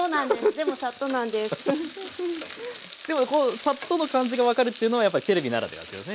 でもこう「サッと」の感じが分かるというのはやっぱりテレビならではですよね。